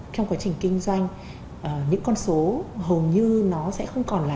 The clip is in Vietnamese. trong quá trình kinh doanh những con số hầu như nó sẽ không còn là